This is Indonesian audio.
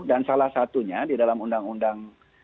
dan salah satunya di dalam undang undang